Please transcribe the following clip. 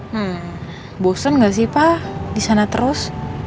hmm bosen gak sih pak disana terus